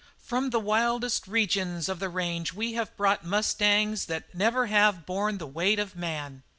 "From the wildest regions of the range we have brought mustangs that never have borne the weight of man.